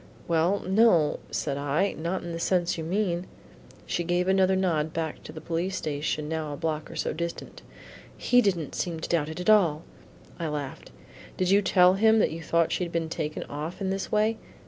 "Well, no," said I, "not in the sense you mean." She gave another nod back to the police station now a block or so distant. "He did'nt seem to doubt it at all." I laughed. "Did you tell him you thought she had been taken off in this way?"